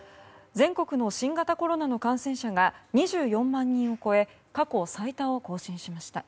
全国の新型コロナの感染者が２４万人を超え過去最多を更新しました。